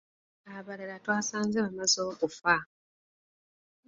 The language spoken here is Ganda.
Abalala twasanze bamaze okufa.